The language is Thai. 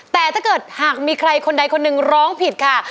แต่ถ้าเกิดหากมีใครคนใดคนหนึ่งร้องผิดค่ะ